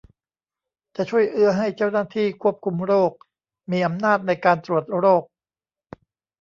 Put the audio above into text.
จะช่วยเอื้อให้เจ้าหน้าที่ควบคุมโรคมีอำนาจในการตรวจโรค